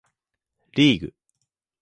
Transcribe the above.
リーグ